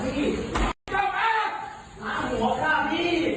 พี่ครับ